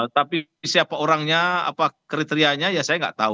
tapi siapa orangnya apa kriterianya ya saya nggak tahu